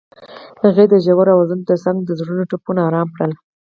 هغې د ژور اوازونو ترڅنګ د زړونو ټپونه آرام کړل.